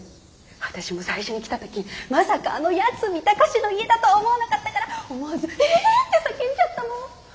私も最初に来た時まさかあの八海崇の家だとは思わなかったから思わず「ええっ！」って叫んじゃったもん。